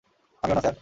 আমিও না, স্যার।